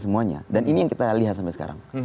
semuanya dan ini yang kita lihat sampai sekarang